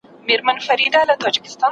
رڼا د سهار په څېر وه.